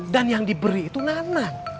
dan yang diberi itu nanang